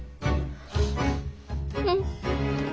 うん。